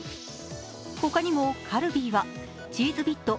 ほかにもカルビーはチーズビット